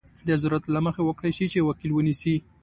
د ضرورت له مخې وکړای شي چې وکیل ونیسي.